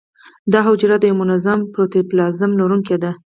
دا حجره د یو منظم پروتوپلازم لرونکې ده.